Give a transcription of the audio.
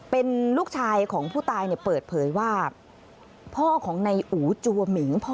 เป็นลูกชายของผู้ตายเนี่ยเปิดเผยว่าพ่อของนายอู๋จัวหมิงพ่อ